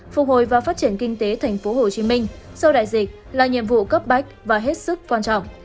phục hồi và phát triển kinh tế tp hcm sau đại dịch là nhiệm vụ cấp bách và hết sức quan trọng